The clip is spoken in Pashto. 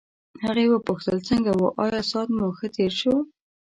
هغې وپوښتل څنګه وو آیا ساعت مو ښه تېر شو.